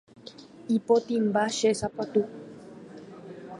Ipotĩmba che sapatu.